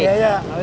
mari pak umar juki